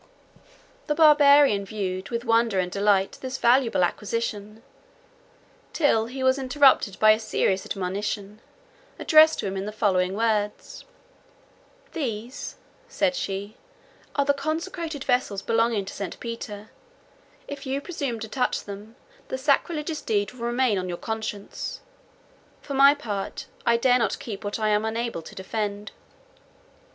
The Barbarian viewed with wonder and delight this valuable acquisition, till he was interrupted by a serious admonition, addressed to him in the following words: "These," said she, "are the consecrated vessels belonging to St. Peter: if you presume to touch them, the sacrilegious deed will remain on your conscience. For my part, I dare not keep what I am unable to defend."